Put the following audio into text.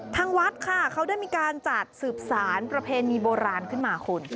ทางวัดค่ะเขาได้มีการจัดสืบสารประเพณีโบราณขึ้นมาคุณ